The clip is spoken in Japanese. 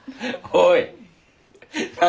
おい。